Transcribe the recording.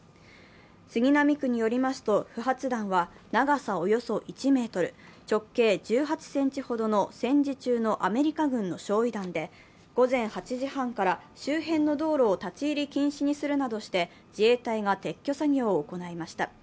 杉並区によりますと、不発弾は長さおよそ１ｍ、直径１８ｃｍほどの戦時中のアメリカ軍の焼い弾で、午前８時半から周辺の道路を立ち入り禁止にするなどして自衛隊が撤去作業を行いました。